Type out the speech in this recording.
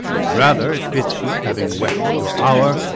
Rather it fits you, having wept your hour.